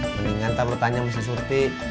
mendingan tak perlu tanya sama si suti